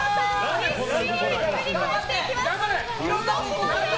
必死にひっくり返していきます。